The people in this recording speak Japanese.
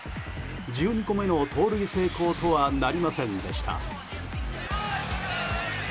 １２個目の盗塁成功とはなりませんでした。